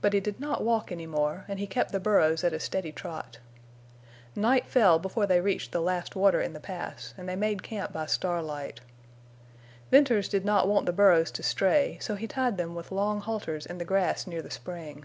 But he did not walk any more, and he kept the burros at a steady trot. Night fell before they reached the last water in the Pass and they made camp by starlight. Venters did not want the burros to stray, so he tied them with long halters in the grass near the spring.